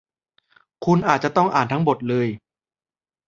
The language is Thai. คุณอาจจะต้องอ่านทั้งบทเลย